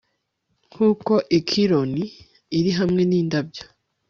nkuko aquilon iri hamwe nindabyo